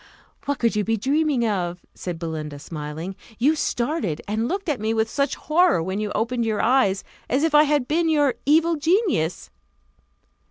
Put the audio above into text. "What could you be dreaming of?" said Belinda, smiling. "You started, and looked at me with such horror, when you opened your eyes, as if I had been your evil genius."